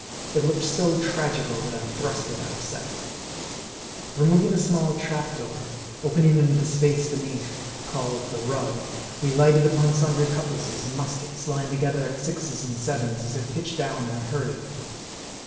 It looked so tragical that I thrust it out of sight, xj Removing a small trap door, opening into the space be neath, called the "run," we lighted upon sundry cutlasses and muskets, lying together at sixes and sevens, as if pitched down in a hurry.